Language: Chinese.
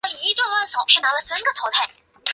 国家民族事务委员会仍作为国务院组成部门。